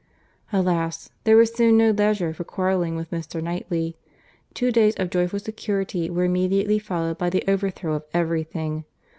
Alas! there was soon no leisure for quarrelling with Mr. Knightley. Two days of joyful security were immediately followed by the over throw of every thing.